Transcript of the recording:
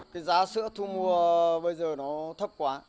cái giá sữa thu mua bây giờ nó thấp quá